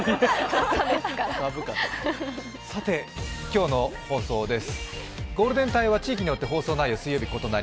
さて、今日の放送です。